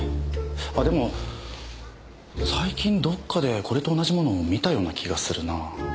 あっでも最近どっかでこれと同じものを見たような気がするな。